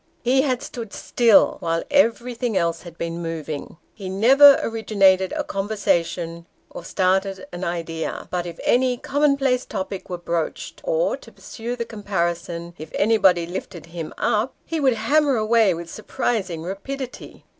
He had stood still, while every thing else had been moving. He never originated a conversation, or started an idea ; but if any commonplace topic were broached, or, to pursue the comparison, if anybody lifted him up, he would hammer away with surprising rapidity.